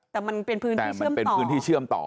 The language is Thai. แต่มันเป็นพื้นที่เชื่อมต่อ